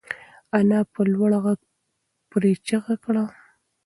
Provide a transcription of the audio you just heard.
انا په لوړ غږ پرې چیغه کړه.